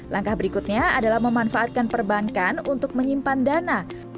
langkah berikutnya adalah memanfaatkan perbankan untuk menyimpan dana